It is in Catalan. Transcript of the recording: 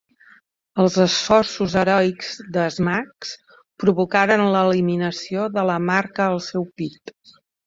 Els esforços heroics de Smax provocaren l'eliminació de la marca al seu pit.